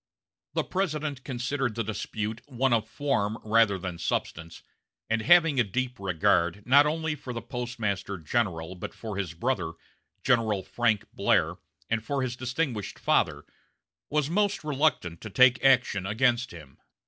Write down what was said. The President considered the dispute one of form rather than substance, and having a deep regard, not only for the Postmaster General, but for his brother, General Frank Blair, and for his distinguished father, was most reluctant to take action against him.